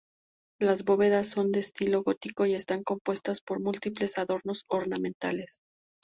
Las bóvedas son de estilo gótico y están compuestas por múltiples adornos ornamentales.